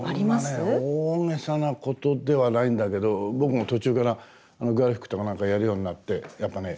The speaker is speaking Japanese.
そんなね大げさなことではないんだけど僕も途中からグラフィックとか何かやるようになってやっぱね